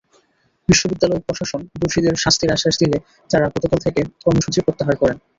বিশ্ববিদ্যালয় প্রশাসন দোষীদের শাস্তির আশ্বাস দিলে তাঁরা গতকাল থেকে কর্মসূচি প্রত্যাহার করেন।